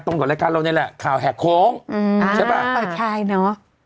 ตรงต่อรายการเราเนี่ยแหละข่าวแห่งโค้งใช่ป่ะใช่เนอะ